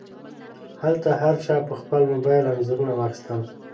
هلته هر چا په خپل موبایل انځورونه واخیستل.